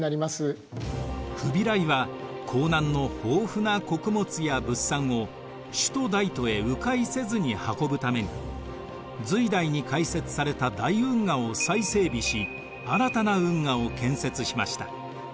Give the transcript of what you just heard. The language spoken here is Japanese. フビライは江南の豊富な穀物や物産を首都・大都へう回せずに運ぶために隋代に開設された大運河を再整備し新たな運河を建設しました。